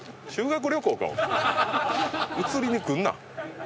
映りに来んな。